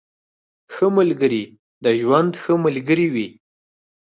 ښه ملګري د ژوند ښه ملګري وي.